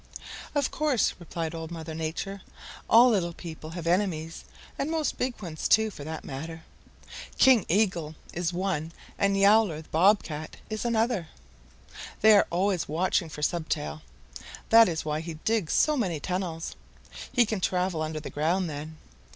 "Of course," replied Old Mother Nature. "All little people have enemies, and most big ones too, for that matter. King Eagle is one and Yowler the Bob Cat is another. They are always watching for Stubtail. That is why he digs so many tunnels. He can travel under the ground then.